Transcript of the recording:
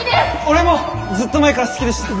俺もずっと前から好きでした！